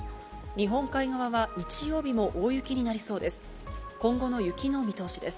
日本海側は日曜日も大雪になりそうです。